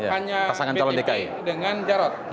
hanya bpp dengan jarot